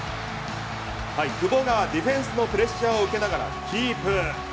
久保がディフェンスのプレッシャーを受けながらキープ。